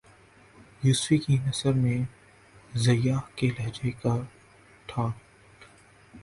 یوسفی کی نثر میں ضیاء کے لہجے کا ٹھاٹ